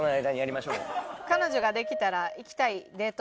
彼女ができたら行きたいデート